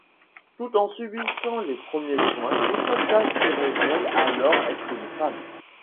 Tout en subissant les premiers soins, le soldat se révèle être une femme.